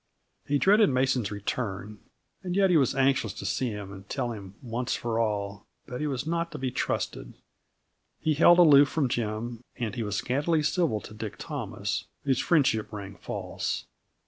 He dreaded Mason's return, and yet he was anxious to see him and tell him, once for all, that he was not to be trusted. He held aloof from Jim and he was scantily civil to Dick Thomas, whose friendship rang false.